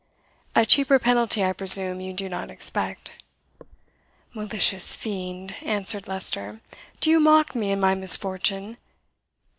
A cheaper penalty, I presume, you do not expect." "Malicious fiend!" answered Leicester, "do you mock me in my misfortune?